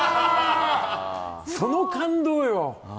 その感動よ。